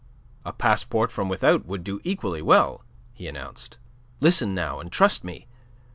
"A passport from without would do equally well," he announced. "Listen, now, and trust to me.